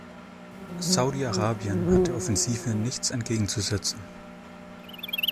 Saudi-Arabien hat der Offensive nichts entgegenzusetzen.